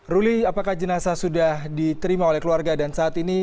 ruli apakah jenazah sudah diterima oleh keluarga dan saat ini